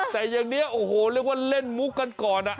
แต่อย่างนี้โอ้โหเรียกว่าเล่นมุกกันก่อน